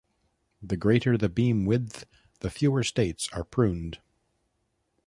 The greater the beam width, the fewer states are pruned.